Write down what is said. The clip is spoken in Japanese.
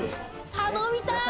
頼みたい！